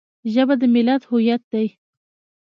ژبه د ملت هویت دی